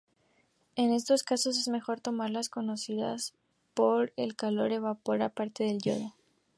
En estos casos es mejor tomarlas cocinadas porque el calor evapora parte del yodo.